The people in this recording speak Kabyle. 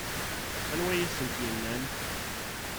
Anwa i asent-innan?